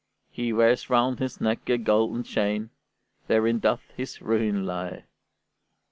He wears round his neck a golden chain; Therein doth his ruin lie."